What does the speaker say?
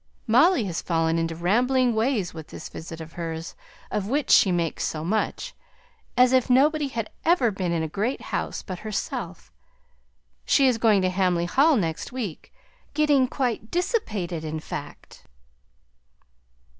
"Molly has fallen into rambling ways with this visit of hers, of which she makes so much, as if nobody had ever been in a great house but herself. She is going to Hamley Hall next week, getting quite dissipated, in fact."